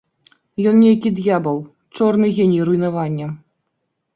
Ён нейкі д'ябал, чорны геній руйнавання.